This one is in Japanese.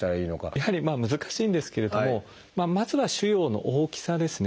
やはり難しいんですけれどもまずは腫瘍の大きさですね。